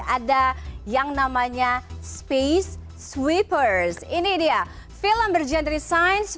ada yang namanya space sweepers ini dia film bergenre science